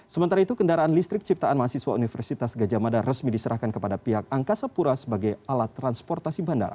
sementara itu kendaraan listrik ciptaan mahasiswa universitas gajah mada resmi diserahkan kepada pihak angkasa pura sebagai alat transportasi bandara